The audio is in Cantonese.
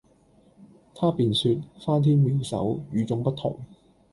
他便說「翻天妙手，與衆不同」。